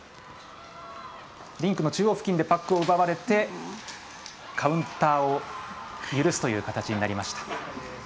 リンクの中央付近でパックを奪われてカウンターを許すという形になりました。